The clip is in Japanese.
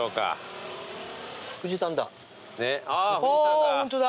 あホントだ。